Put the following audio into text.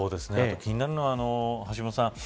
気になるのは橋本さん